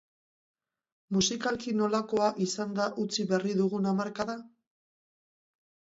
Musikalki nolakoa izan da utzi berri dugun hamarkada?